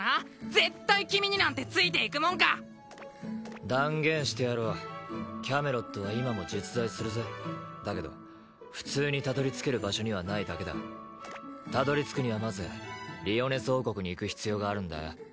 絶対君になんてついていくもんか断言してやろうキャメロットは今も実在するぜだけど普通にたどり着ける場所にはないだけだたどり着くにはまずリオネス王国に行く必要があるんだよ